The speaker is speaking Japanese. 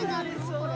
これ。